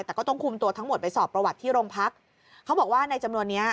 แต่ก็ต้องคุมตัวทั้งหมดไปสอบประวัติที่โรงพักเขาบอกว่าในจำนวนนี้